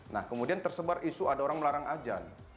nah kemudian tersebar isu ada orang melarang ajan